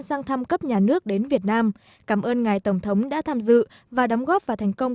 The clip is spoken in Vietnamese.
sang thăm cấp nhà nước đến việt nam cảm ơn ngài tổng thống đã tham dự và đóng góp vào thành công